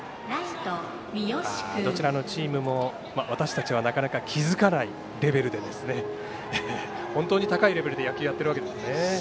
どちらのチームも私たちはなかなか気付かないレベルで本当に高いレベルで野球をやっているわけですね。